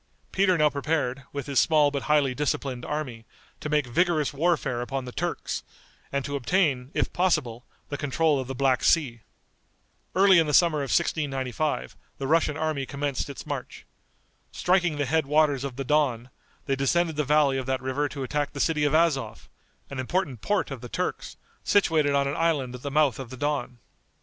Peter now prepared, with his small but highly disciplined army, to make vigorous warfare upon the Turks, and to obtain, if possible, the control of the Black Sea. Early in the summer of 1695 the Russian army commenced its march. Striking the head waters of the Don, they descended the valley of that river to attack the city of Azov, an important port of the Turks, situated on an island at the mouth of the Don.